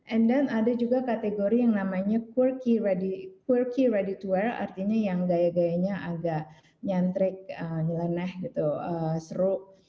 and then ada juga kategori yang namanya qury ready to wear artinya yang gaya gayanya agak nyantrik nyeleneh gitu seru